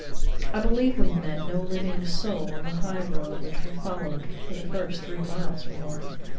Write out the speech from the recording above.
I believe we met no living soul on the high road which we followed for the first three miles or more.